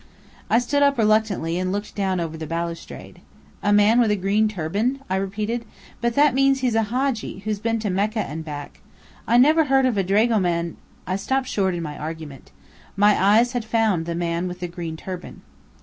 I stood up reluctantly, and looked down over the balustrade. "A man with a green turban?" I repeated. "But that means he's a Hadji, who's been to Mecca and back. I never heard of a dragoman " I stopped short in my argument. My eyes had found the man with the green turban.